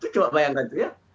coba bayangkan itu ya